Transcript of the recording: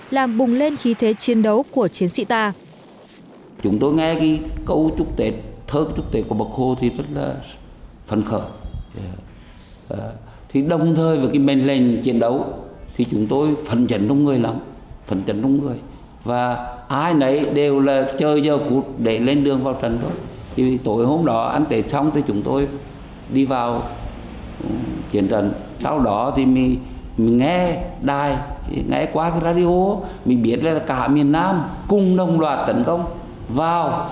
làm bùng lên khí thế chiến đấu của chiến sĩ ta